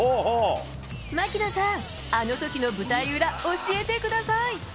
槙野さん、あのときの舞台裏、教えてください。